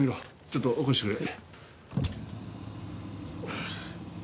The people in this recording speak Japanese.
ちょっと起こしてくれ。